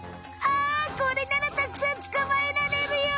あこれならたくさんつかまえられるよ！